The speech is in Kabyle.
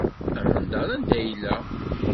Amendeṛ anda yella.